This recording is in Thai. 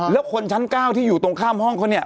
แล้วคนชั้น๙ที่อยู่ตรงข้ามห้องเขาเนี่ย